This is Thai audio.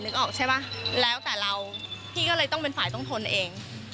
ออกใช่ป่ะแล้วแต่เราพี่ก็เลยต้องเป็นฝ่ายต้องทนเอง